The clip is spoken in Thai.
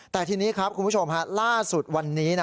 แต่ทีนี้ครับคุณผู้ชมล่าสุดวันนี้